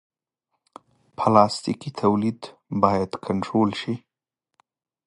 پلاستيکي تولید باید کنټرول شي.